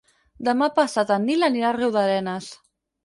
Demà passat en Nil anirà a Riudarenes.